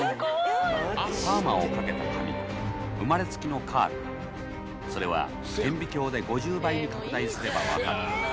パーマをかけた髪か、生まれつきのカール、それは、顕微鏡で５０倍に拡大すれば分かる。